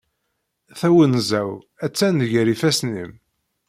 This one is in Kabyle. Tawenza-w attan gar ifassen-im.